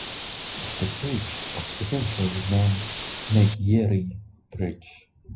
The bridge was eventually named Megyeri Bridge.